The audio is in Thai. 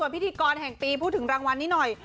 พิธีกรแห่งปีพูดถึงรางวัลนี้หน่อย